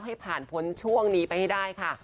ให้ผ่านพ้นช่วงนี้ไปให้ได้ค่ะ